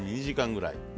２時間ぐらい。